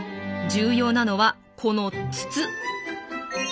重要なのはこの筒。